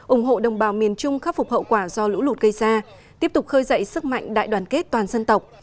ủng hộ đồng bào miền trung khắc phục hậu quả do lũ lụt gây ra tiếp tục khơi dậy sức mạnh đại đoàn kết toàn dân tộc